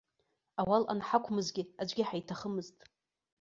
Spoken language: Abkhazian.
Ауал анҳақәмызгьы, аӡәгьы ҳаиҭахымызт.